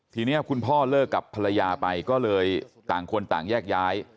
ทีนี้คุณพ่อเลิกกับภรรยาไปก็เลยต่างคนต่างแยกย้าย